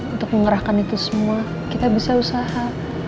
untuk mengerahkan itu semua kita bisa usaha